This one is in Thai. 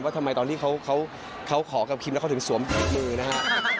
ทำไมตอนที่เขาขอกับคินแล้วเขาถึงสวมถุงมือนะฮะ